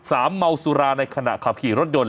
เมาสุราในขณะขับขี่รถยนต์